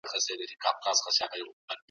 د هلمند دودونه له نورو سره توپیر لري.